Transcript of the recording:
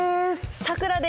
さくらです！